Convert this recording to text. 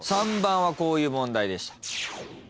３番はこういう問題でした。